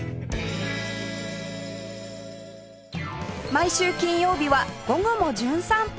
毎週金曜日は『午後もじゅん散歩』